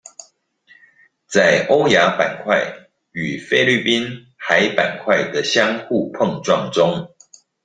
在歐亞板塊與菲律賓海板塊的相互碰撞中